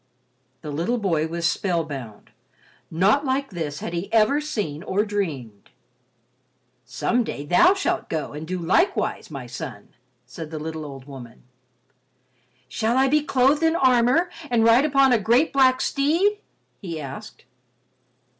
The little boy was spell bound. Naught like this had he ever seen or dreamed. "Some day thou shalt go and do likewise, my son," said the little old woman. "Shall I be clothed in armor and ride upon a great black steed?" he asked.